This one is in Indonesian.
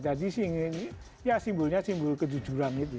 jadi sih ini ya simbolnya simbol kejujuran itu